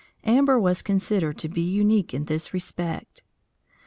Amber was considered to be unique in this respect.